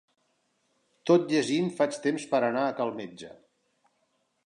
Tot llegint faig temps per anar a cal metge.